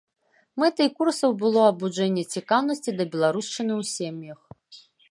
Мэтай курсаў было абуджэнне цікаўнасці да беларушчыны ў сем'ях.